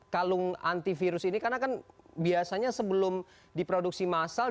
kalung antivirus ini karena kan biasanya sebelum diproduksi massal